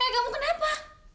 eh kamu kenapa